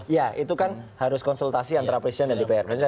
ya itu kan harus konsultasi antara presiden dan dpr